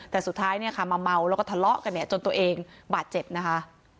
แต่สุดท้ายเนี่ยค่ะมาเมาแล้วก็ทะเลาะกันเนี่ยจนตัวเองบาดเจ็บนะคะ